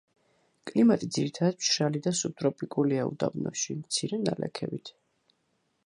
კლიმატი ძირითადად მშრალი და სუბტროპიკულია უდაბნოში, მცირე ნალექებით.